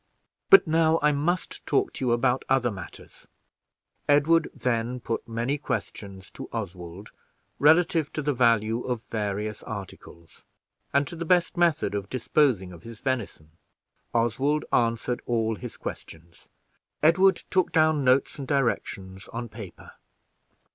But now I must talk to you about other matters." Edward then put many questions to Oswald relative to the value of various articles, and to the best method of disposing of his venison. Oswald answered all his questions, and Edward took down notes and directions on paper.